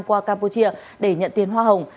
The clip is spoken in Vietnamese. qua campuchia để nhận tiền hoa hồng